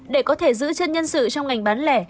để có thể giữ chân nhân sự trong ngành bán lẻ